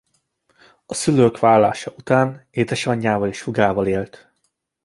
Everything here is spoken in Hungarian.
A szülők válása után édesanyjával és húgával élt.